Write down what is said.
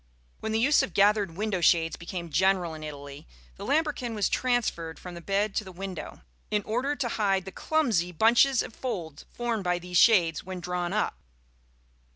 When the use of gathered window shades became general in Italy, the lambrequin was transferred from the bed to the window, in order to hide the clumsy bunches of folds formed by these shades when drawn up.